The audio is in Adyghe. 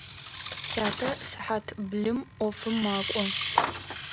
Сятэ сыхьат блым ӏофым мэкӏо.